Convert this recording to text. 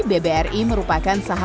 dari seluruh indonesia